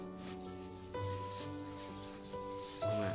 ごめん。